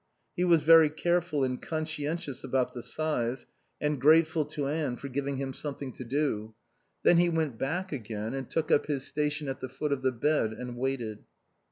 He was very careful and conscientious about the size, and grateful to Anne for giving him something to do. Then he went back again and took up his station at the foot of the bed and waited.